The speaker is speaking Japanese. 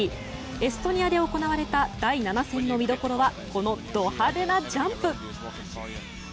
エストニアで行われた第７戦の見どころはこのド派手なジャンプ。